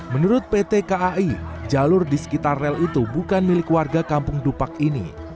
menurut pt kai jalur di sekitar rel itu bukan milik warga kampung dupak ini